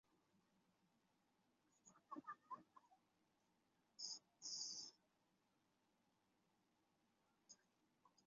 本条目专为云南定远而作。